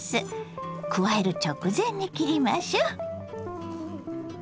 加える直前に切りましょ。